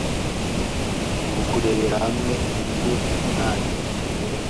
nu kurebera hamwe inyungu umunani